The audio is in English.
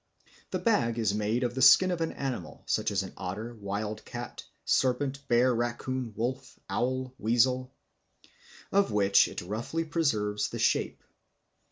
The bag is made of the skin of an animal (such as the otter, wild cat, serpent, bear, raccoon, wolf, owl, weasel), of which it roughly preserves the shape.